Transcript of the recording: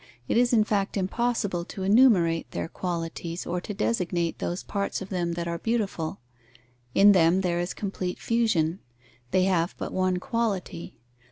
It is in fact impossible to enumerate their qualities or to designate those parts of them that are beautiful. In them there is complete fusion: they have but one quality.